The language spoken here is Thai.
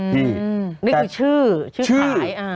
พี่แต่ชื่อที่ขาย